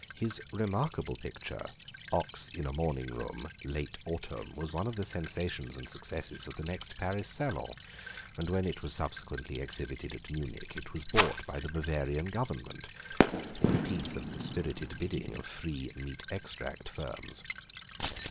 His remarkable picture, "Ox in a morning room, late autumn," was one of the sensations and successes of the next Paris Salon, and when it was subsequently exhibited at Munich it was bought by the Bavarian Government, in the teeth of the spirited bidding of three meat extract firms.